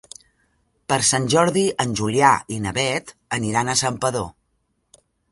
Per Sant Jordi en Julià i na Beth aniran a Santpedor.